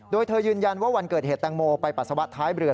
โดยเธอยืนยันว่าวันเกิดเหตุแตงโมไปปัสสาวะท้ายเรือ